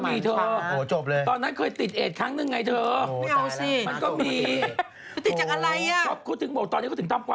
มันจบเรื่องมากกว่าคนของเรา